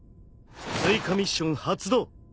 追加ミッション発動。